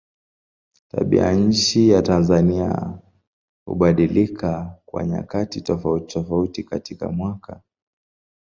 Tabianchi ya Tanzania hubadilika kwa nyakati tofautitofauti katika mwaka.